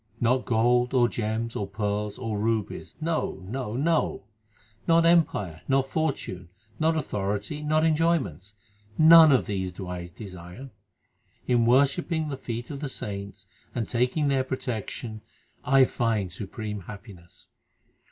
Not gold, or gems, or pearls, 1 or rubies ; no, no, no ! Not empire, not fortune, not authority, not enjoyments none of these do I desire. In worshipping the feet of the saints and taking their protection I find supreme happiness.